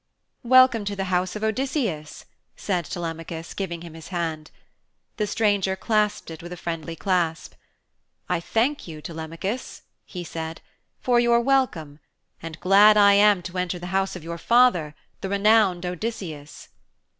'Welcome to the house of Odysseus,' said Telemachus giving him his hand. The stranger clasped it with a friendly clasp. 'I thank you, Telemachus,' he said, 'for your welcome, and glad I am to enter the house of your father, the renowned Odysseus.'